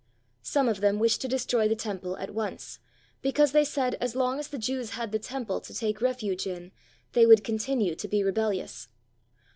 Some of them wished to de stroy the Temple at once, because they said as long as the Jews had the Temple to take refuge in they would continue to be rebellious.